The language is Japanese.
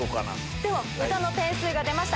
では歌の点数が出ました。